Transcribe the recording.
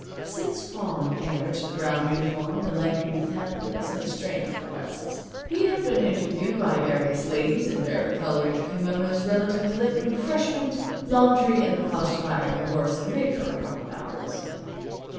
Since falling heir to the brown uniform the lank youth had heard some strange requests. He had been interviewed by various ladies in varicolored kimonos relative to liquid refreshment, laundry and the cost of hiring a horse and rig for a couple of hours.